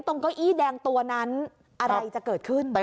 เก้าอี้แดงตัวนั้นอะไรจะเกิดขึ้น